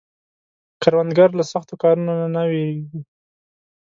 کروندګر له سختو کارونو نه نه ویریږي